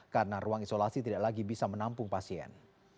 karena ruang isolasi tidak lagi bisa menampung pasien